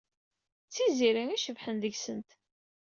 D Tiziri ay icebḥen deg-sent.